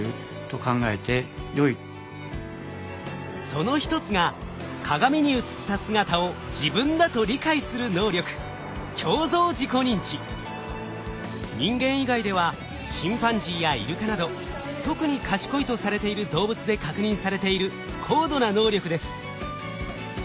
その一つが鏡に映った姿を自分だと理解する能力人間以外ではチンパンジーやイルカなど特に賢いとされている動物で確認されている高度な能力です。